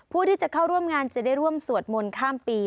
ผู้ที่จะเข้าร่วมงานจะได้ร่วมสวดมนต์ข้ามปี